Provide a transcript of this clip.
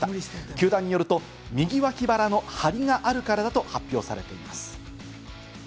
球団によると右脇腹の張りがあるからだと発表されています。